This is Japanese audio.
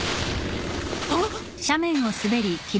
あっ！